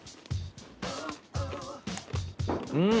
うん！